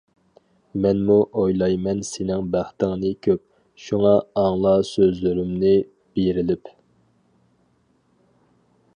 مەنمۇ ئويلايمەن سېنىڭ بەختىڭنى كۆپ، شۇڭا ئاڭلا سۆزلىرىمنى بېرىلىپ.